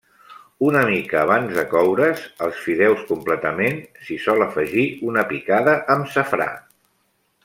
Una mica abans de coure's els fideus completament, s'hi sol afegir una picada amb safrà.